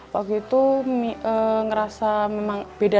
waktu itu ngerasa memang beda